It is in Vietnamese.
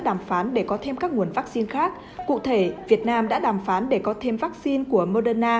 đàm phán để có thêm các nguồn vắc xin khác cụ thể việt nam đã đàm phán để có thêm vắc xin của moderna